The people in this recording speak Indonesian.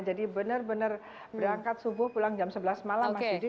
jadi benar benar berangkat subuh pulang jam sebelas malam mas yudi